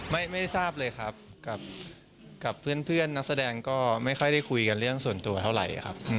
ไม่ทราบเลยครับกับเพื่อนนักแสดงก็ไม่ค่อยได้คุยกันเรื่องส่วนตัวเท่าไหร่ครับ